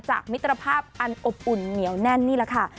มิตรภาพอันอบอุ่นเหนียวแน่นนี่แหละค่ะ